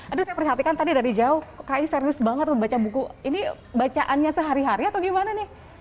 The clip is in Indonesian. aduh saya perhatikan tadi dari jauh kayaknya serius banget tuh baca buku ini bacaannya sehari hari atau gimana nih